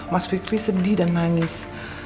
mas fikri sedih dan nangis